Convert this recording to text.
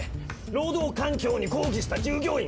労働環境に抗議した従業員が